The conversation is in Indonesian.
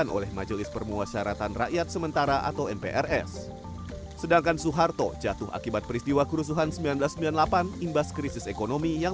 politik itu terkait dengan undang undang dasar kita yang tidak membatasi kekuasaan